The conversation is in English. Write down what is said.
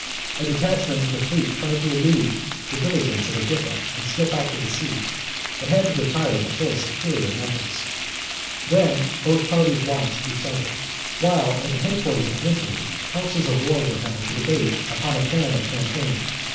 A detachment of the fleet tried to elude the vigilance of Agrippa and slip out to sea, but had to retire before superior numbers. Then both parties watched each other, while at the head quarters of Antony councils of war were held to debate upon a plan of campaign.